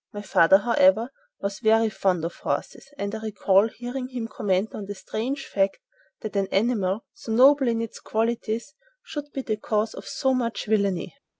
My father, however, was very fond of horses, and I recall hearing him comment on the strange fact that an animal "so noble in its qualities should be the cause of so much villainy."